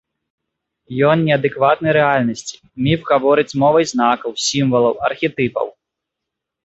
Ён не адэкватны рэальнасці, міф гаворыць мовай знакаў, сімвалаў, архетыпаў.